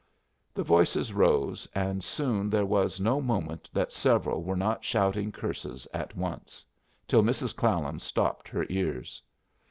The voices rose, and soon there was no moment that several were not shouting curses at once, till Mrs. Clallam stopped her ears.